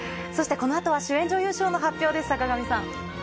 そしてこのあとは主演女優賞の発表です、坂上さん。